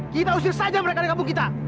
kita usir saja mereka di kampung kita